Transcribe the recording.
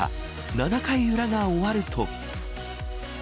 ７回裏が終わると。